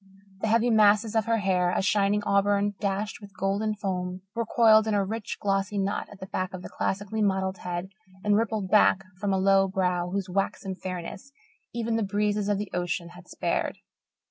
The heavy masses of her hair, a shining auburn dashed with golden foam, were coiled in a rich, glossy knot at the back of the classically modelled head and rippled back from a low brow whose waxen fairness even the breezes of the ocean had spared.